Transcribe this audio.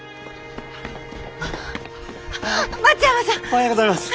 おはようございます。